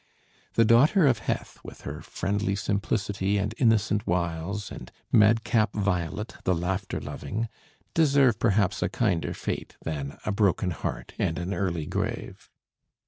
The "Daughter of Heth," with her friendly simplicity and innocent wiles, and Madcap Violet, the laughter loving, deserve perhaps a kinder fate than a broken heart and an early grave.